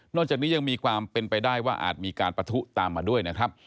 จากนี้ยังมีความเป็นไปได้ว่าอาจมีการปะทุตามมาด้วยนะครับ